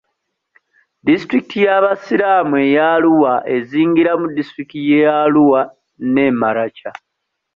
Disitulikiti y'Abasiraamu ey'Arua ezingiramu disitulikiti ye Arua ne Maracha.